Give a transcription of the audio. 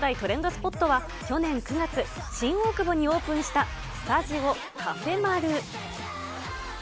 スポットは、去年９月、新大久保にオープンした、スタジオカフェマル。